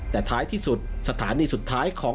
แต่ท้ายที่สุดสถานีสุดท้ายของ